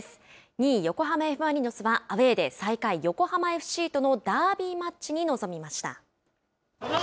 ２位横浜Ｆ・マリノスはアウェーで最下位横浜ＦＣとのダービーマッチに臨みました。